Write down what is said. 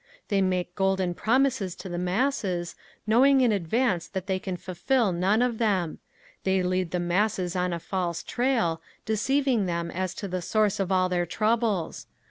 "They make golden promises to the masses, knowing in advance that they can fulfil none of them; they lead the masses on a false trail, deceiving them as to the source of all their troubles….